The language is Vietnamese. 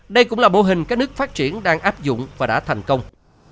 đây cũng là mô hình các nước phát triển đang áp dụng và đã thành công